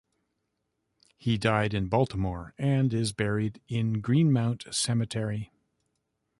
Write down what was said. He died in Baltimore and is buried in Greenmount Cemetery.